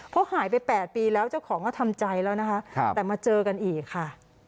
เพราะหายไป๘ปีแล้วเจ้าของก็ทำใจแล้วนะคะแต่มาเจอกันอีกค่ะ